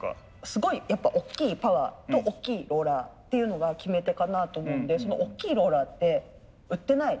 すごいやっぱおっきいパワーとおっきいローラーっていうのが決め手かなと思うんでそのおっきいローラーって売ってない。